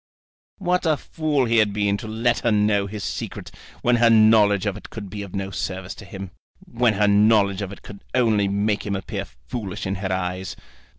What a fool he had been to let her know his secret when her knowledge of it could be of no service to him, when her knowledge of it could only make him appear foolish in her eyes!